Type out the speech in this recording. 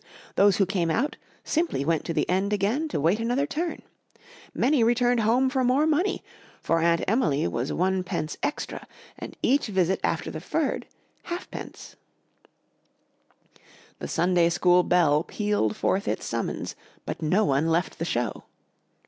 Those who came out simply went to the end again to wait another turn. Many returned home for more money, for Aunt Emily was 1d. extra and each visit after the first, ½d. The Sunday School bell pealed forth its summons, but no one left the show.